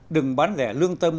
đừng bán rẻ lương tâm